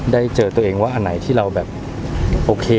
ได้เจอตัวเองว่าอันไหนที่เราแบบโอเค